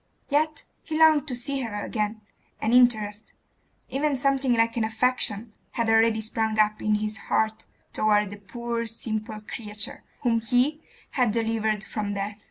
Yet he longed to see her again; an interest even something like an affection had already sprung up in his heart toward the poor simple creature whom he had delivered from death.